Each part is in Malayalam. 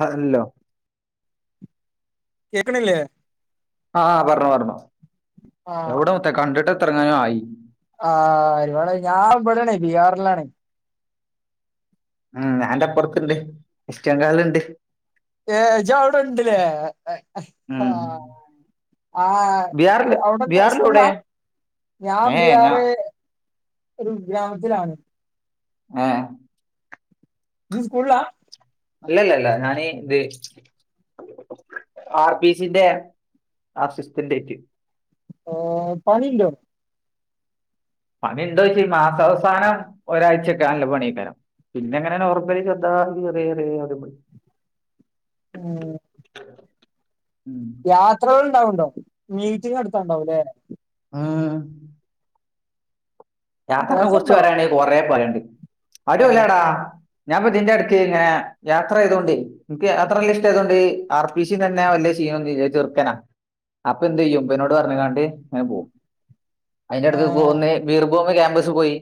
ഹല്ലോ കേൾക്കണില്ലേ അ ആഹ് പർഞ്ഞോ പർഞ്ഞോ ആഹ് യൗടെ മുത്തെ കണ്ടിട്ട് എത്രങ്ങാനു ആയി. ആഹ് ഇവടെ ഞാൻ ഇവിടാണ് ബീഹാറിലാണ് അ അൻ്റപ്പർത്ത്ണ്ട് എസ്റ്റങ്കാൾല്ണ്ട്. ഏഹ് ജവ്ടെണ്ട് ലേ? ഉം ആ ബീഹാറില് അവിടെന്താ സ്കൂളാ ബീഹാറിലെവിടെ ഞാൻ ഏഹ് ബിയാർ ഞാ ഒരു ഗ്രാമത്തിലാണ് ആഹ് ജ് സ്കൂൾള്ളാ? അല്ലല്ലല്ല ഞാനി ത്. ആർ ബി സിന്റെ അസിസ്റ്റൻ്റെക്ക്. ആഹ് പണി ണ്ടോ? പണി ഉണ്ടോ ചോച്ച ഈ മാസാവസാനം ഒരാഴ്ചൊക്കെ നല്ല പണി കിട്ടാരുന്നു പിന്നെങ്ങനെ നോർമ്മലി ചെർതാ റി റി. [unintelligible] ഉം ഉം യാത്രകള്ണ്ടാവുണ്ടോ മീറ്റിങ്ങട്ത്താണ്ടാവു ലേ? ആഹ് യാത്രനെ കുറിച്ച് രസണ്ടോ പറരണ്ട കൊറെ പറയണ്ട് അടിയോളിയാ ആഹ് ടാ ഞാപ്പതീന്റെട്ക്ക് ങ്ങനെ യാത്രയ്തോണ്ടെ. എനിക്ക് അത്രല്ല ഇഷ്ടതുകൊണ്ട് ആർ പി സി തന്നെയ വല്ല്യ സീനൊന്നുല്ല ചെറുക്കനാ അപ്പൊ എന്ത് ചെയ്യും ഇവനോട് പറഞ്ഞ് കാണ്ട് ഞാൻ പോകും അതിന്റെടുത്തേക്ക് ഏഹ് പോകുന്നേ വീർ ക്യാമ്പസ് പോയി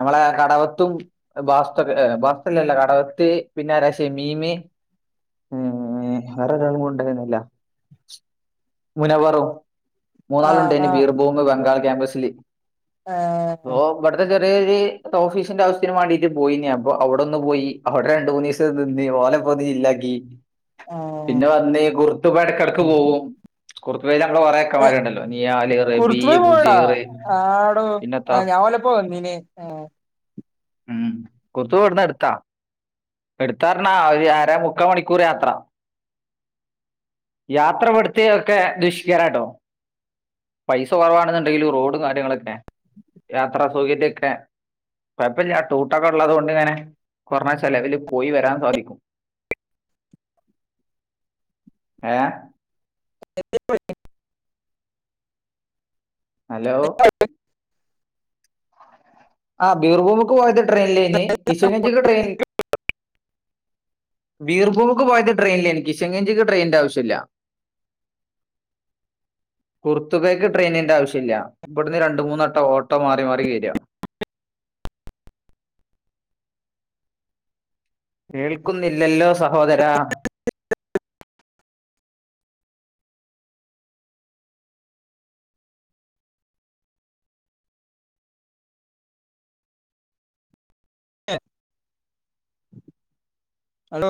നമ്മളെ കടവത്തും ബാസ്തൊക് ബാസ്തല്ലല്ല കടവത്ത് പിന്നെ ആരാ ഷമീമ് ഏഹ് വേറൊരാളുങ്കൂടെണ്ടേന്നല്ല. മുനബറും ആഹ് മൂന്നാളുണ്ടേന് ആഹ് ബീർഭൂമി ബംഗാൾ ക്യാൻവാസില് ഏഹ്. ഓഹ് വട്ത്തെ ചെറിയൊര് ട്ടോഫീസിന്റെ ആവസ്യത്തിന് വാണ്ടിട്ട് പോയിനി അപ്പൊ അവിടൊന്ന് പോയി അവിടെ രണ്ട്മൂന്നിസ ഓല പൊതി ഇല്ലാക്കി പിന്നെ വന്ന് കുർത്തുപാ ഇടക്കിടക്ക് പോകും കുറത്ത്പൽ കുറെ ആഹ് ഇക്കമാര് ഉണ്ടല്ലോ നിയാറ് റബീ കുർത്തുമേ പോയടാ ബുജീറ് ആടോ പിന്നെ ആഹ് ഞാനോലപ്പോ വന്നീനി ആ ഉം കുറത്തുപാ ഇവിടുന്ന് ടുത്താ എട്ത്താർഞ്ഞാ ഒര് അര മുക്കാ മണിക്കൂർ യാത്ര. യാത്ര ഇബത്തെ ഒക്കെ ദുഷ്കരട്ടോ പൈസ കുറവാണെന്നുണ്ടെങ്കിലും റോഡും കാര്യങ്ങളൊക്കെ യാത്രാ സൗകര്യൊക്കെ കൊയ്പ്പല്ല ട്ടൂട്ടൊക്ക ഉള്ളത് കൊണ്ട് ങ്ങനെ കൊർഞ്ഞ ചെലവില് പോയി വരാൻ സാധിക്കും. ഏഹ് [unintelligible] ഹലോ [inaudible] ആഹ് വീർഭൂമിക്ക് പോയത് ട്രെയിനിലീണ് കിഷൻഗഞ്ചിക്ക് ട്രെയിനിൽ വീർഭൂമിക്ക് പോകാനായിട്ട് ട്രെയിൽനില്ലെനിക്ക് ചെങ്ങന്നൂർക്ക് ട്രെയിന്റെ ആവശ്യമില്ല [inaudible] കുറത്തുകേക്ക് ട്രെയിനിന്റെ ആവശ്യമില്ല ഇവിടന്ന് രണ്ട് മൂന്ന് വട്ടം ഓട്ടോ മാറി മാറി കേറിയമ കേൾക്കുന്നില്ലല്ലോ സഹോദര [unintelligible] ഹലോ